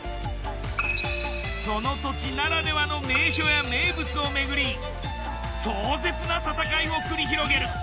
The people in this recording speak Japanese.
その土地ならではの名所や名物を巡り壮絶な戦いを繰り広げる。